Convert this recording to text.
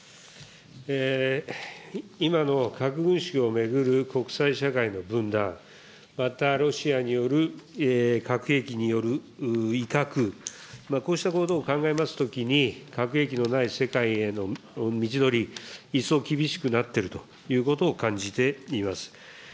今の核軍縮を巡る国際社会の分断、またロシアによる核兵器による威嚇、こうしたことを考えますときに、核兵器のない世界への道のり、一層厳しくなっているということを感じています。